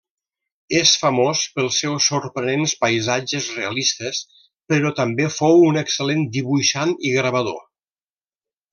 És famós pels seus sorprenents paisatges realistes, però també fou un excel·lent dibuixant i gravador.